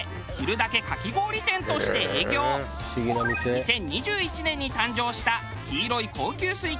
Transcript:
２０２１年に誕生した黄色い高級スイカ